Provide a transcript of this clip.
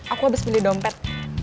aku habis beli dompet